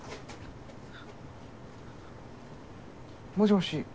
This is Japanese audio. もしもし。